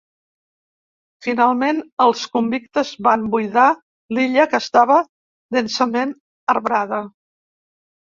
Finalment, els convictes van buidar l'illa que estava densament arbrada.